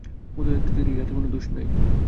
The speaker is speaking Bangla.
উদয়াদিত্যের ইহাতে কোনো দোষ নাই।